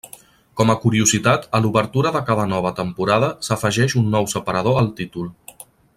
Com a curiositat, a l'obertura de cada nova temporada s'afegeix un nou separador al títol.